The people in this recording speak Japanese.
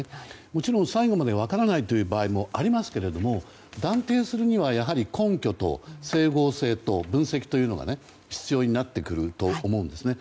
もちろん最後まで分からないという場合もありますが、断定するにはやはり、根拠と整合性と分析というのが必要になってくると思うんですね。